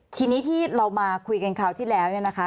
ทีนี้ที่เรามาคุยกันคราวที่แล้วเนี่ยนะคะ